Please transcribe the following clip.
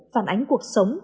phản ánh cuộc sống